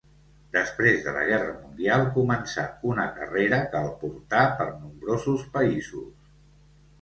Després de la guerra mundial començà una carrera que el portà per nombrosos països.